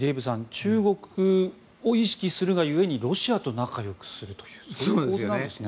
中国を意識するが故にロシアと仲よくするという構図なんですね。